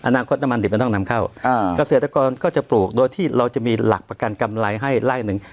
อนาคตน้ำมันดิบมันต้องนำเข้าเกษตรกรก็จะปลูกโดยที่เราจะมีหลักประกันกำไรให้ไล่หนึ่ง